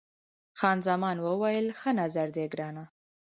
خان زمان وویل، ښه نظر دی ګرانه.